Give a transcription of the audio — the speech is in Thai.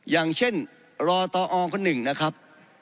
อย่างเช่นรอตอคนหนึ่งนะครับ